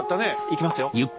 いきますよ。